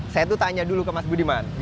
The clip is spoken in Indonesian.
saya tuh tanya dulu ke mas budiman